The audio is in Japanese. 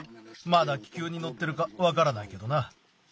まだ気球にのってるかわからないけどな。